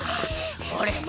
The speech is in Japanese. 俺も。